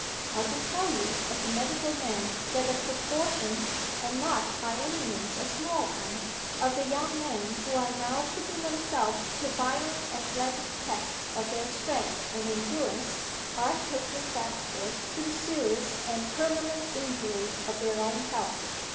I can tell you, as a medical man, that a proportion, and not by any means a small one, of the young men who are now putting themselves to violent athletic tests of their strength and endurance, are taking that course to the serious and permanent injury of their own health.